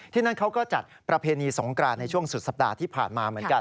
นั่นเขาก็จัดประเพณีสงกรานในช่วงสุดสัปดาห์ที่ผ่านมาเหมือนกัน